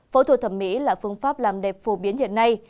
phẫu thuật thẩm mỹ là phương pháp làm đẹp phổ biến hiện nay